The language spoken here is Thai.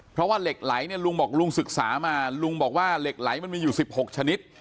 เพราะว่าเหล็กไหลเนี่ยลุงบอกลุงศึกษามาลุงบอกว่าเหล็กไหลมันมีอยู่๑๖ชนิด